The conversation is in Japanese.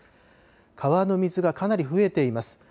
川の水がかなり増えています。